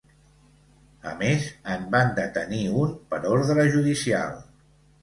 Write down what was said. A més, en van detenir un per ordre judicial.